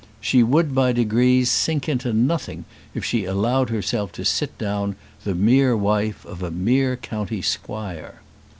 She would by degrees sink into nothing if she allowed herself to sit down, the mere wife of a mere country squire.